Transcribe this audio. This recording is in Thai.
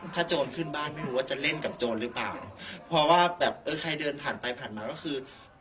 โจรขึ้นบ้านไม่รู้ว่าจะเล่นกับโจรหรือเปล่าเพราะว่าแบบเออใครเดินผ่านไปผ่านมาก็คือ